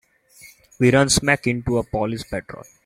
We run smack into a police patrol.